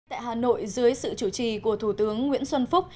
tại hà nội dưới sự chủ trì của thủ tướng nguyễn xuân phúc